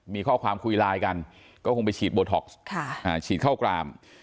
มีข้อความคุยไลน์กันก็คงไปฉีดโบท็อกซ์ฉีดเข้ากราม